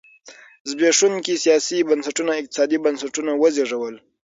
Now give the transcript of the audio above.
زبېښونکي سیاسي بنسټونو اقتصادي بنسټونه وزېږول.